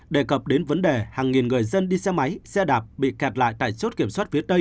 đề cập đến vấn đề hàng nghìn người dân đi xe máy xe đạp bị kẹt lại tại chốt kiểm soát phía tây